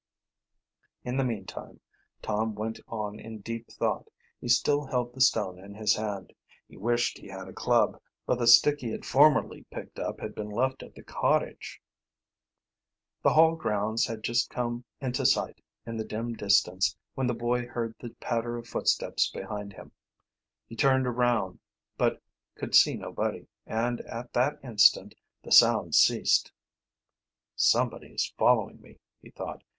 In the meantime Tom went on in deep thought. He still held the stone in his hand. He wished he had a club, but the stick he had formerly picked up had been left at the cottage. The hall grounds had just come into sight in the dim distance when the boy heard the patter of footsteps behind him. He turned around, but could see nobody, and at that instant the sounds ceased. "Somebody is following me," he thought.